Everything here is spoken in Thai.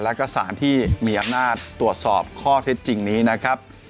แล้วก็สารที่มีอำนาจตรวจสอบข้อเท็จจริงนี้นะครับ